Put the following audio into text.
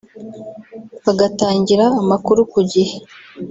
bagatangira amakuru ku gihe